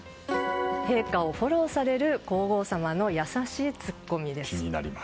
陛下をフォローされる皇后さまの優しいツッコミです。